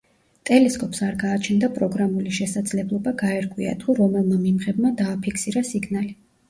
ტელესკოპს არ გააჩნდა პროგრამული შესაძლებლობა გაერკვია, თუ რომელმა მიმღებმა დააფიქსირა სიგნალი.